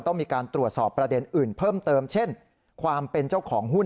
ต้องมีการตรวจสอบประเด็นอื่นเพิ่มเติมเช่นความเป็นเจ้าของหุ้น